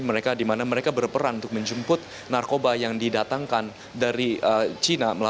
mereka di mana mereka berperan untuk menjemput narkoba yang didatangkan dari cina